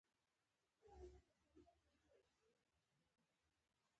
ګل مې را نیولی چې تاته یې ډالۍ کړم